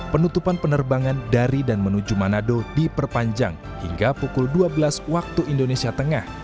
penutupan penerbangan dari dan menuju manado diperpanjang hingga pukul dua belas waktu indonesia tengah